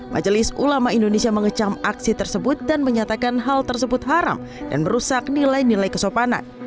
majelis ulama indonesia mengecam aksi tersebut dan menyatakan hal tersebut haram dan merusak nilai nilai kesopanan